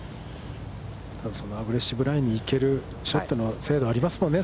そのアグレッシブラインに行ける、ショットの精度がありますよね。